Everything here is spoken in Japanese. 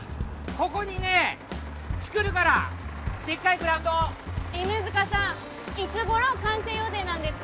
ここにねつくるからでっかいグラウンド犬塚さんいつ頃完成予定なんですか？